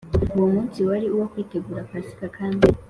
Uwo munsi wari uwo kwitegura Pasika kandi